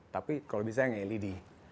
tapi kalau bisa yang led